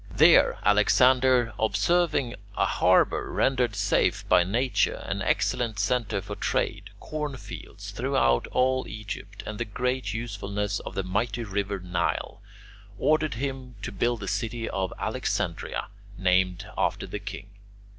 There Alexander, observing a harbour rendered safe by nature, an excellent centre for trade, cornfields throughout all Egypt, and the great usefulness of the mighty river Nile, ordered him to build the city of Alexandria, named after the king.